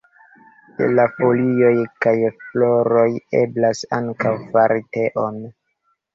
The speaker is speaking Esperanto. De la folioj kaj floroj eblas ankaŭ fari teon.